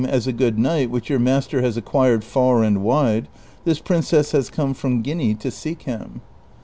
as a good knight which your master has ac(i[iiired far and wide, this princess has come from Guinea to seek him."